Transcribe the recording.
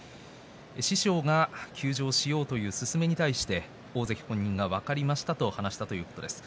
師匠が休場しようという勧めに対して大関本人が分かりましたということでした。